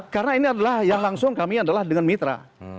karena ini adalah yang langsung kami adalah dengan mitra